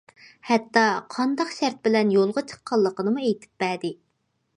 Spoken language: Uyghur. ھەتتا، قانداق شەرت بىلەن يولغا چىققانلىقىنىمۇ ئېيتىپ بەردى.